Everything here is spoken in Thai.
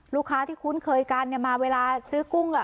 ลูกค้าที่คุ้นเคยกันเนี่ยมาเวลาซื้อกุ้ง